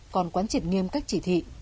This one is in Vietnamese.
còn quán triệt nghiêm cách chỉ thị